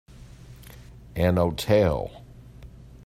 An hotel.